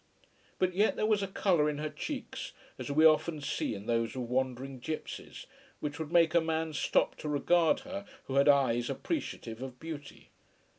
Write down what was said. But yet there was a colour in her cheeks, as we often see in those of wandering gipsies, which would make a man stop to regard her who had eyes appreciative of beauty.